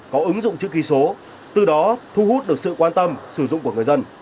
có ứng dụng chữ ký số từ đó thu hút được sự quan tâm sử dụng của người dân